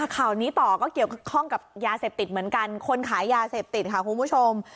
ข่าวนี้ต่อก็เกี่ยวข้องกับยาเสพติดเหมือนกันคนขายยาเสพติดค่ะคุณผู้ชม